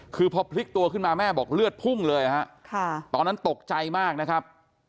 คือพอพลิกตัวขึ้นมาแม่บอกเลือดพุ่งเลยฮะตอนนั้นตกใจมากนะครับ